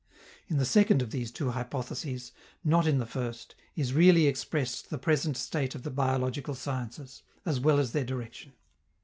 In the second of these two hypotheses, not in the first, is really expressed the present state of the biological sciences, as well as their direction.